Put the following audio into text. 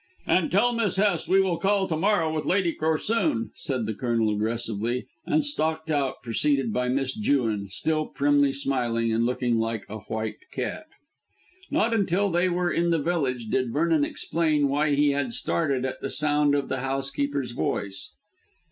"And tell Miss Hest we will call to morrow with Lady Corsoon," said the Colonel aggressively, and stalked out preceded by Miss Jewin, still primly smiling, and looking like a white cat. Not until they were in the village did Vernon explain why he had started at the sound of the housekeeper's voice.